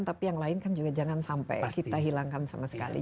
tapi yang lain kan juga jangan sampai kita hilangkan sama sekali